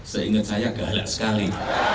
seingat saya galak sekali